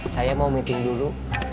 saya mau meeting dulu